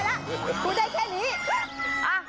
คงพูดไม่ได้แล้ว